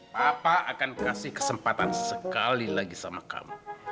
papa akan kasih kesempatan sekali lagi sama kamu